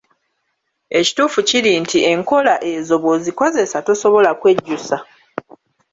Ekituufu kiri nti enkola ezo bw’ozikozesa tosobola kwejjusa.